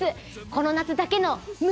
この夏だけの胸